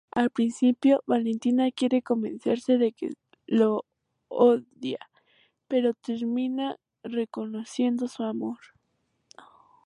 Al principio Valentina quiere convencerse de que lo odia, pero termina reconociendo su amor.